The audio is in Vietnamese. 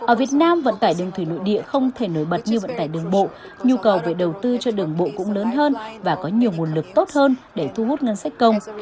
ở việt nam vận tải đường thủy nội địa không thể nổi bật như vận tải đường bộ nhu cầu về đầu tư cho đường bộ cũng lớn hơn và có nhiều nguồn lực tốt hơn để thu hút ngân sách công